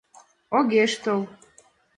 Огеш тол.